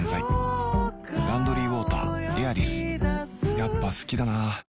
やっぱ好きだな